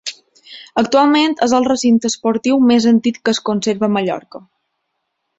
Actualment és el recinte esportiu més antic que es conserva a Mallorca.